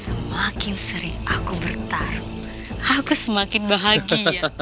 semakin sering aku bertarung aku semakin bahagia